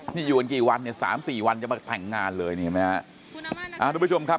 นี่อยู่กันกี่วัน๓๔วันจะมาแต่งงานเลยทุกผู้ชมครับ